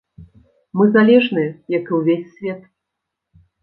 Мы залежныя, як і ўвесь свет.